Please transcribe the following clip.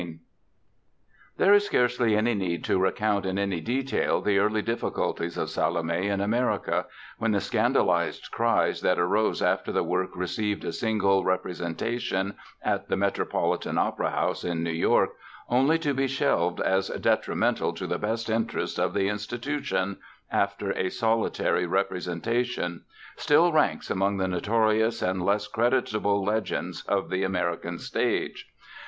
There is scarcely any need to recount in any detail the early difficulties of Salome in America, when the scandalized cries that arose after the work received a single representation at the Metropolitan Opera House, in New York, only to be shelved as "detrimental to the best interests of the institution" after a solitary representation still ranks among the notorious and less creditable legends of the American stage.